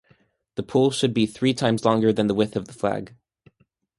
The pole should be three times longer than the width of the flag.